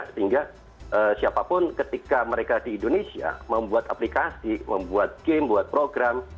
sehingga siapapun ketika mereka di indonesia membuat aplikasi membuat game membuat program